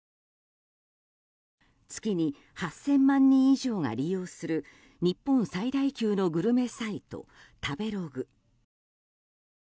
月に８０００万人以上が利用する日本最大級のグルメサイト食べログ。